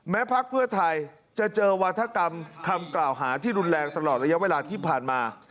พักเพื่อไทยจะเจอวาธกรรมคำกล่าวหาที่รุนแรงตลอดระยะเวลาที่ผ่านมา